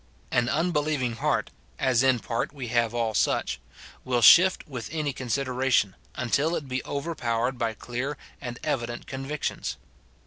An unbelieving heart (as in part we have all such) will shift with any consideration, until it be overpowerd by clear and evident convictions.